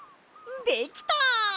できた！